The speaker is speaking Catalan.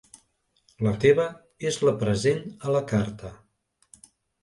La teva és la present a la carta.